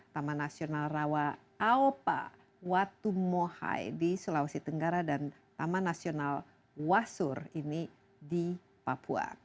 taman nasional rawa aopa watumohai di sulawesi tenggara dan taman nasional wasur ini di papua